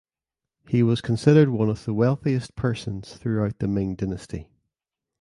He was considered one of the wealthiest persons throughout the Ming Dynasty.